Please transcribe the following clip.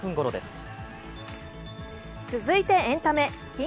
続いてエンタメ。